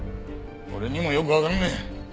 俺にもよくわかんねえ。